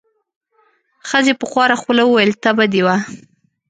ښځې په خواره خوله وویل: تبه دې وه.